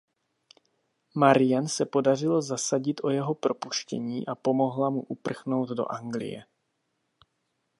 Marianne se podařilo zasadit o jeho propuštění a pomohla mu uprchnout do Anglie.